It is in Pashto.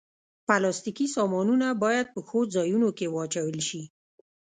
پلاستيکي سامانونه باید په ښو ځایونو کې واچول شي.